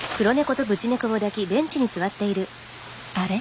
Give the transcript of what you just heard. あれ？